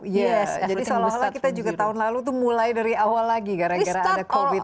jadi seolah olah kita juga tahun lalu itu mulai dari awal lagi gara gara ada covid sembilan belas